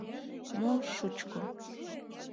— Мо шучко!